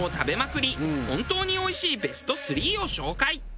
本当においしいベスト３を紹介。